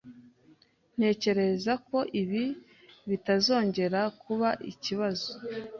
Ntekereza ko ibi bitazongera kuba ikibazo.